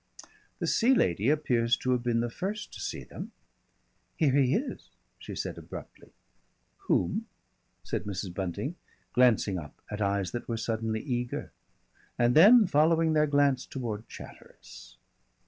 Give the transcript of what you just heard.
The Sea Lady appears to have been the first to see them. "Here he is," she said abruptly. "Whom?" said Mrs. Bunting, glancing up at eyes that were suddenly eager, and then following their glance towards Chatteris.